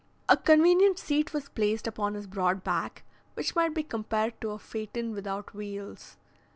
A convenient seat was placed upon his broad back, which might be compared to a phaeton without wheels.